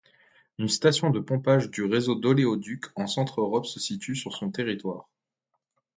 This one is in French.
Une station de pompage du réseau d'oléoducs en Centre-Europe se situe sur son territoire.